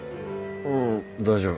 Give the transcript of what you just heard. ううん大丈夫。